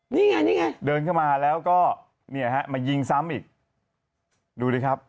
นี่ไงนี่ไงเดินเข้ามาแล้วก็เนี่ยฮะมายิงซ้ำอีกดูดิครับ